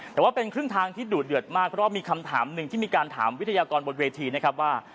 แต่ว่าเป็นครึ่งทางที่ดูดเดือดมากเพราะว่ามีคำถามหนึ่งที่มีการถามวิทยากรบนเวทีนะครับว่า